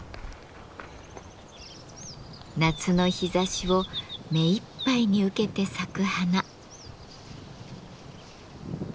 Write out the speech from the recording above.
夏の日ざしを目いっぱいに受けて咲く花。